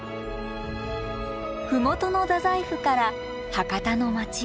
麓の太宰府から博多の街。